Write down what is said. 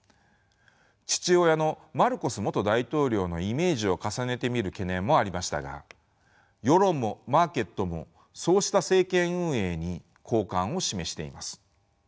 父親のマルコス元大統領のイメージを重ねて見る懸念もありましたが世論もマーケットもそうした政権運営に好感を示しています。